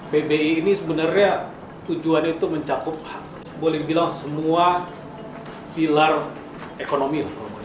pbi ini sebenarnya tujuannya itu mencakup boleh dibilang semua pilar ekonomi